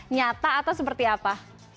nyata atau seperti apa